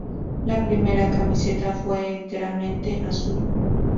La primera camiseta fue enteramente azul.